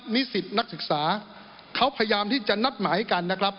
นิสิตนักศึกษาเขาพยายามที่จะนัดหมายกันนะครับ